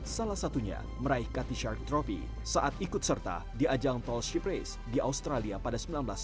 salah satunya meraih kaki shark trofi saat ikut serta di ajang paul ship race di australia pada seribu sembilan ratus sembilan puluh